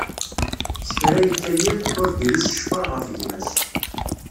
S kra yekka yiḍ, ur d-iris ccfer ɣef gma-s.